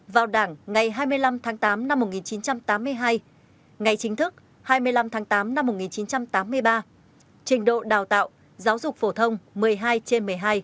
vào đảng ngày hai mươi năm tháng tám năm một nghìn chín trăm tám mươi hai ngày chính thức hai mươi năm tháng tám năm một nghìn chín trăm tám mươi ba trình độ đào tạo giáo dục phổ thông một mươi hai trên một mươi hai